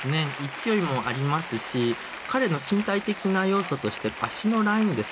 勢いもありますし彼の身体的な要素として脚のラインですね